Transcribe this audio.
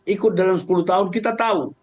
ikut dalam sepuluh tahun kita tahu